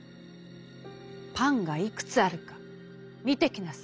『パンがいくつあるか見て来なさい』。